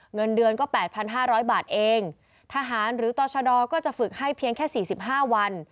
เงินเดือนก็๘๕๐๐บาทเองทหารหรือต่อชดก็จะฝึกให้เพียงแค่๔๕วัน